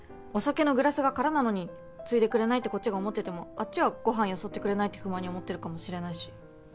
お酒のグラスが空なのについでくれないってこっちが思っててもあっちはご飯よそってくれないって不満に思ってるかもしれないし。